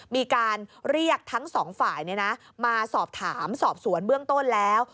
มีการเรียกทั้งสองฝ่ายมาสอบถามสอบสวนเบื้องต้นแล้ว